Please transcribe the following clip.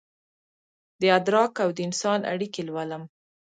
دادراک اودانسان اړیکې لولم